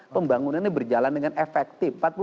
pembangunannya berjalan dengan efektif